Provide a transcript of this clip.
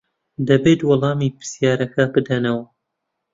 دەبێت وەڵامی پرسیارەکە بدەنەوە.